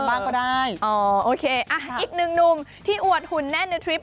บ้างก็ได้อ๋อโอเคอ่ะอีกหนึ่งหนุ่มที่อวดหุ่นแน่นในทริป